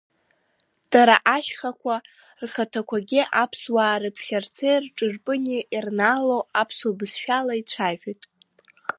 Дара ашьхақәа рхаҭақәагьы аԥсуаа рыԥхьарцеи рҿырпыни ирнаало аԥсуа бызшәала ицәажәоит.